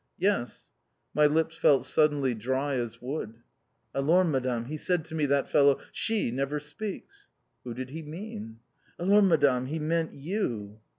"Yes." My lips felt suddenly dry as wood. "Alors, Madame! He said to me, that fellow, 'She never speaks!'" "Who did he mean?" "Alors, Madame, he meant you!"